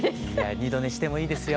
二度寝してもいいですよ。